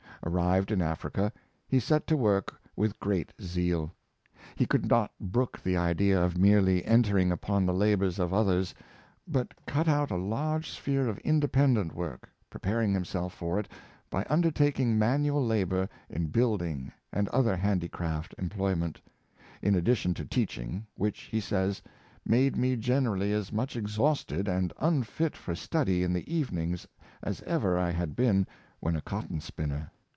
Arrived in Africa, he set to work with great zeal. He could not brook the idea of merely entering upon the labors of others, but cut out a large sphere of independent work, preparing himself for it by undertaking manual labor in building and other handicraft employment, in addi tion to teaching, which, he says, " made me generally as much exhausted and unfit for study in the evenings as ever I had been when a cotton spinner.''